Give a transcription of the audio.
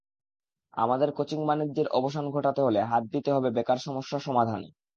আমাদের কোচিং-বাণিজ্যের অবসান ঘটাতে হলে হাত দিতে হবে বেকার সমস্যা সমাধানে।